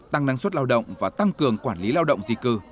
tăng năng suất lao động và tăng cường quản lý lao động di cư